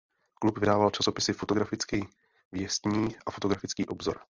Klub vydával časopisy "Fotografický věstník" a "Fotografický obzor".